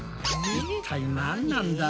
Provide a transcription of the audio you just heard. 一体なんなんだ？